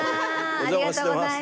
ありがとうございます。